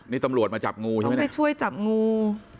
นี่ตำรวจมาจับงูใช่ไหมไปช่วยจับงู